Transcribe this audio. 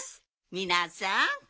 みなさん